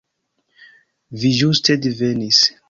Vi ĝuste divenis.